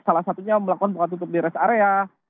salah satunya melakukan buka tutup di rest area